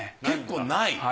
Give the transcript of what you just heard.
結構ない？